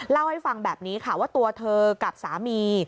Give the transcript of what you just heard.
เล่าให้ฟังแบบนี้ค่ะว่าตัวเธอกับสามี